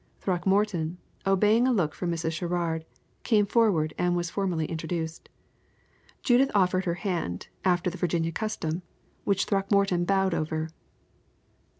Throckmorton, obeying a look from Mrs. Sherrard, came forward and was formally introduced. Judith offered her hand, after the Virginia custom, which Throckmorton bowed over.